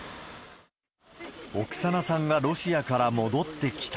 オクサナさんがロシアから戻ってきた。